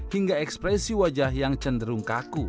hingga ekspresi wajah yang cenderung kaku